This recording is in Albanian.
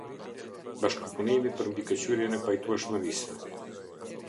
Bashkëpunimi për mbikëqyrjen e pajtueshmërisë.